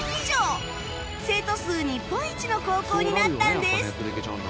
生徒数日本一の高校になったんです